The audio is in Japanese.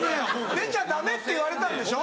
出ちゃダメって言われたんでしょ？